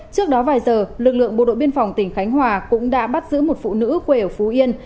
trước đó vài giờ lực lượng bộ đội biên phòng tỉnh khánh hòa cũng đã bắt giữ một phụ nữ quê ở phú yên